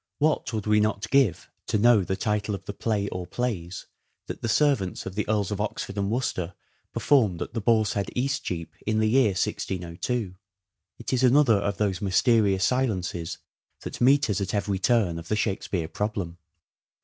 What would we not give to know the title of the play or plays that the servants of the Earls of Oxford and Worcester performed at the Boar's Head, Eastcheap, in the year 1602 ? It is another of those mysterious silences that meet us at every turn of the Shakespeare problem.